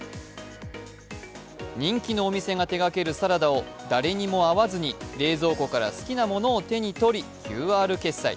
人気のお店が手がけるサラダを、誰にも会わずに冷蔵庫から好きなものを手に取り、ＱＲ決済。